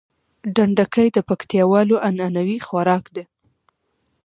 ډنډکی د پکتياوالو عنعنوي خوارک ده